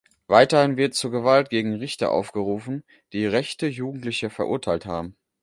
Weiterhin wird zur Gewalt gegen Richter aufgerufen, die rechte Jugendliche verurteilt haben.